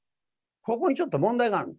ここにちょっと問題がある。